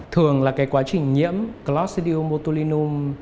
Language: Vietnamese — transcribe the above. thường là quá trình nhiễm clostridium botulinum